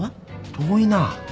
遠いな。